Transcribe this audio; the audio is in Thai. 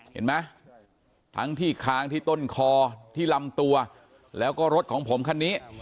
เห็นไหมทั้งที่ค้างที่ต้นคอที่ลำตัวแล้วก็รถของผมคันนี้